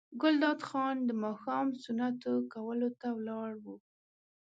ګلداد خان د ماښام سنتو کولو ته ولاړ و.